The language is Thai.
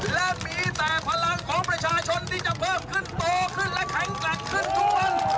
และมีแต่พลังของประชาชนที่จะเพิ่มขึ้นโตขึ้นและแข็งแกร่งขึ้นทุกวัน